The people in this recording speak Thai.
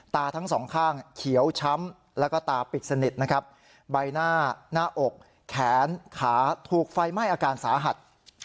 ตาทั้งสองข้างเขียวช้ำแล้วก็ตาปิดสนิทนะครับใบหน้าหน้าอกแขนขาถูกไฟไหม้อาการสาหัส